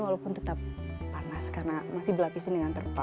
walaupun tetap panas karena masih berlapisin dengan terpal